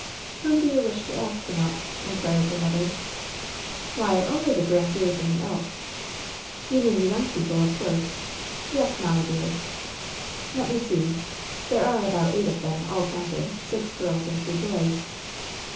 "Whom do you wish to ask, Wynnette ?" inquired her mother. "Why, only the Grandieres and the Elks." "You mean the young people, of course ?" "Yes, mamma, dear." 'Tet me see. There are about eight of them, all counted — six girls and two boys.